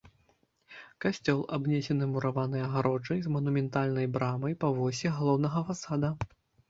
Касцёл абнесены мураванай агароджай з манументальнай брамай па восі галоўнага фасада.